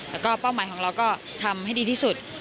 แล้วก็เป้าหมายของเราก็ทำให้ดีที่สุด